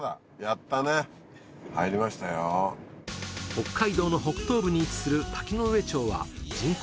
北海道の北東部に位置する滝上町は人口